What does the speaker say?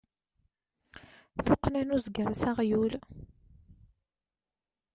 Tuqqna n uzger s aɣyul.